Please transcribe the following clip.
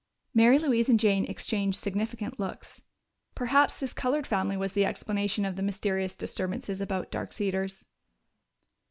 Mary Louise and Jane exchanged significant looks. Perhaps this colored family was the explanation of the mysterious disturbances about Dark Cedars.